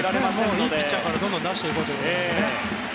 いいピッチャーからどんどん出していこうというね。